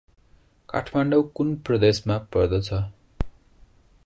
काठमाडौं कुन प्रदेशमा पर्दछ?